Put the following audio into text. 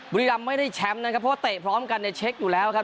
บุรีรำไม่ได้แชมป์นะครับเพราะว่าเตะพร้อมกันเนี่ยเช็คอยู่แล้วครับ